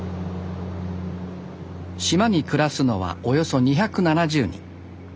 島に暮らすのはおよそ２７０人。